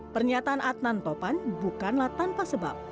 pernyataan adnan topan bukanlah tanpa sebab